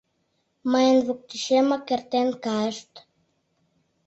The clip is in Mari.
Мыйын воктечемак эртен кайышт.